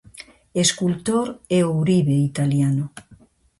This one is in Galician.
Escultor e ourive italiano.